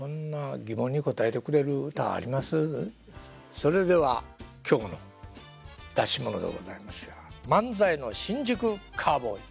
それでは今日の出し物でございますが漫才の新宿カウボーイ。